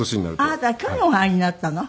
あなた去年お入りになったの？